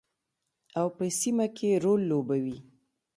او په سیمه کې رول لوبوي.